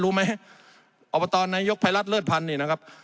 รู้ไหมะอนภิราษเลิศพันธ์นี่นะครับ